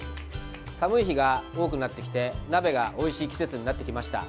寒い日が多くなってきて、鍋がおいしい季節になってきました。